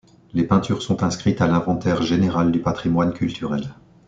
Les peintures sont inscrites à l'Inventaire général du patrimoine culturel.